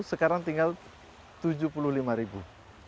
sekarang tinggal tujuh puluh lima ribu